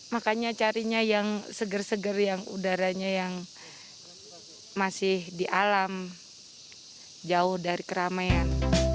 makanya carinya yang seger seger yang udaranya yang masih di alam jauh dari keramaian